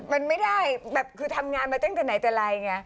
มันไม่ได้แบบคือทำงานมาตั้งแต่ไหนแต่ไรไง